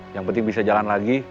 yang penting bisa jalan lagi